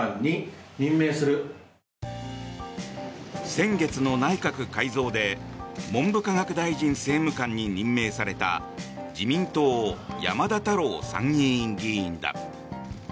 先月の内閣改造で文部科学大臣政務官に任命された自民党、山田太郎参院議員だ。